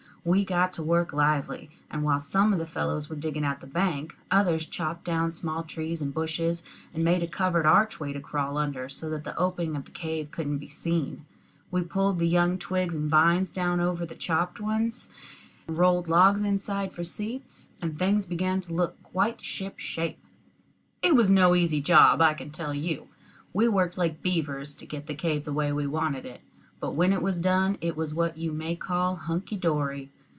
We got to work lively; and while some of the fellows were digging out the bank, others chopped down small trees and bushes, and made a covered archway to crawl under, so that the opening of the cave couldn't be seen. We pulled the young twigs and vines down over the chopped ones, rolled logs inside for seats, and things began to look quite ship shape. It was no easy job, I can tell you. We worked like beavers to get the cave the way we wanted it; but when it was done, it was what you may call hunky dory.